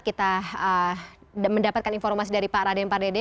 kita mendapatkan informasi dari pak raden pak dede